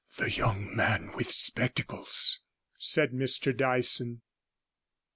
The young man with spectacles,' said Mr Dyson.